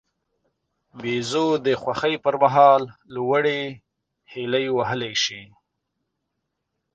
بیزو د خوښۍ پر مهال لوړې هلې وهلای شي.